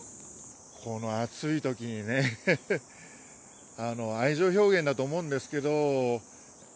この暑いときにね、愛情表現だと思うんですけど。